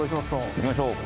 行きましょう。